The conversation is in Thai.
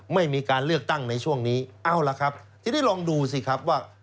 ไม่มีการเลือกตั้งในช่วงนี้เอาล่ะครับทีนี้ลองดูสิครับว่า